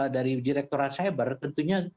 dari direkturat cyber tentunya